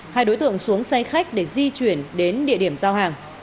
hai đối tượng xuống xe khách để di chuyển đến địa điểm giao hàng